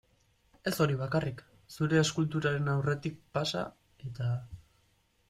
Ez hori bakarrik, zure eskulturen aurretik pasa, eta.